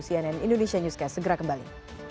cnn indonesia newscast segera kembali